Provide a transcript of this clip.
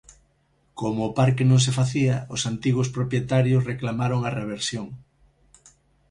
Como o parque non se facía, os antigos propietarios reclamaron a reversión.